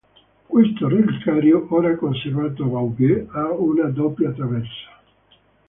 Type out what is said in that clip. Questo reliquiario, ora conservato a Baugé, ha una doppia traversa.